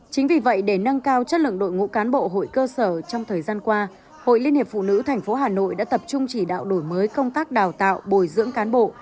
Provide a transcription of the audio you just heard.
chính vì vậy để nâng cao chất lượng đội ngũ cán bộ hội cơ sở trong thời gian qua hội liên hiệp phụ nữ tp hà nội đã tập trung chỉ đạo đổi mới công tác đào tạo bồi dưỡng cán bộ